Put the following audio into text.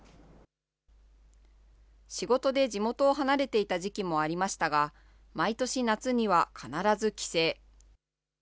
仕事で地元を離れていた時期もありましたが、毎年夏には必ず帰省。